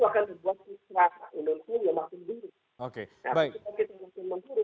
kebenaran demokrasi di jaringan republik indonesia